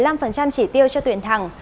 dành một mươi năm chỉ tiêu cho tuyển thẳng